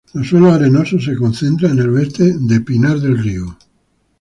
Los suelos arenosos se concentran en el oeste de Pinar del Río.